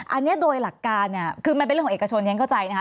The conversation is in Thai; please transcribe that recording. อันนี้โดยหลักการเนี่ยคือมันเป็นเรื่องของเอกชนฉันเข้าใจนะคะ